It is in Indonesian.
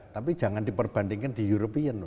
tapi jangan diperbandingkan di european loh